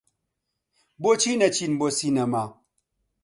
بۆچی نەچین بۆ سینەما؟